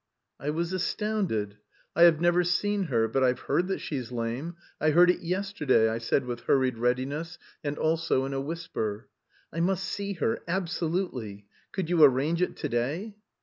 I was astounded. "I have never seen her, but I've heard that she's lame. I heard it yesterday," I said with hurried readiness, and also in a whisper. "I must see her, absolutely. Could you arrange it to day?"